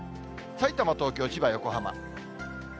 さいたま、東京、千葉、横浜。